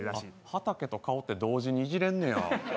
畑と顔って同時にいじれんねや。